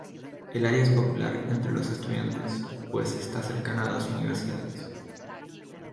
El área es popular entre los estudiantes pues está cercana a dos universidades.